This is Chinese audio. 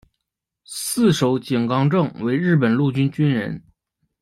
四手井纲正为日本陆军军人。